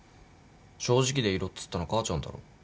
正直でいろっつったの母ちゃんだろ。